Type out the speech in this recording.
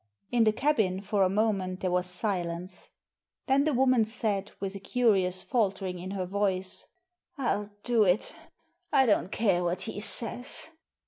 In the cabin for a moment there was silence. Then the woman said, with a curious faltering in her voice — "FU do it I don't care what he says."